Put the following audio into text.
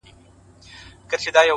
وجود دې ستا وي زه د عقل له ښيښې وځم!!